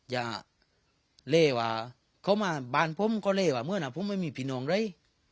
อย่าเล่ว่าเขามาบ้านผมก็เล่ว่าเหมือนผมไม่มีพี่น้องเลย